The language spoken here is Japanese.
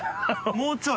もうちょい？